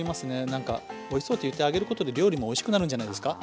なんか「おいしそう」って言ってあげることで料理もおいしくなるんじゃないですか。